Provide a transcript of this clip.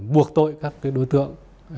buộc tội các đối tượng